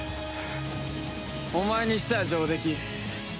お前にしては上出来。